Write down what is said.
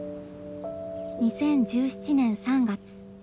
２０１７年３月。